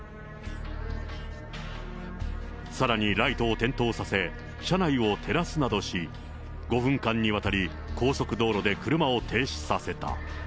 さらにライトを点灯させ、車内を照らすなどし、５分間にわたり、高速道路で車を停止させた。